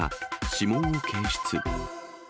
指紋を検出。